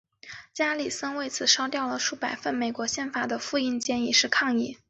加里森为此烧掉了数百份美国宪法的复印件以示抗议。